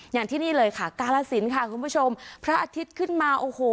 อย่างที่นี่เลยค่ะกาลสินค่ะคุณผู้ชมพระอาทิตย์ขึ้นมาโอ้โห